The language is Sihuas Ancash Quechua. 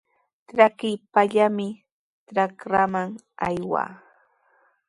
Trakipallami trakraman aywaa.